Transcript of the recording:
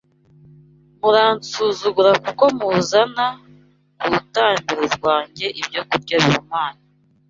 Muransuzugura kuko muzana kurutambiro rwanjye ibyokurya bihumanye